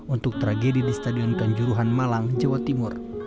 untuk tragedi di stadion kanjuruhan malang jawa timur